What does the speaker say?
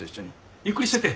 ゆっくりしてって。